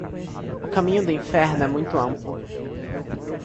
O caminho do inferno é muito amplo.